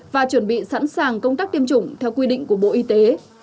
và chuẩn bị sẵn sàng công tác tiêm chủng theo quy định của bộ y tế